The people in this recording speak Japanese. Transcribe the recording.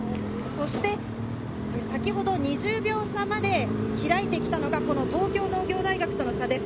そして先ほど２０秒差まで開いてきたのが、この東京農業大学との差です。